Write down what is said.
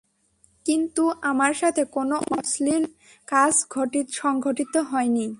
কিন্তু আমার সাথে কোন অশ্লীল কাজ সংঘটিত হয়নি।